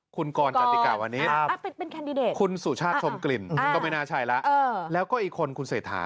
คุณกรจันติกาวันนี้คุณสุชาติชมกลิ่นก็ไม่น่าใช่แล้วแล้วก็อีกคนคุณเศรษฐา